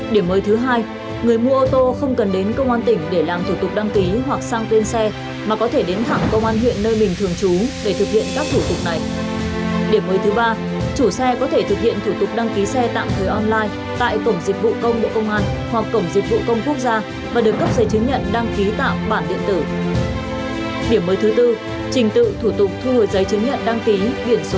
điểm mới thứ hai người mua ô tô không cần đến công an tỉnh để làm thủ tục đăng ký hoặc sang tuyên xe mà có thể đến thẳng công an huyện nơi mình thường trú để thực hiện các thủ tục này